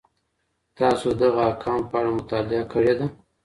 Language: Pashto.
تاسو د دغو احکامو په اړه مطالعه کړي ده؟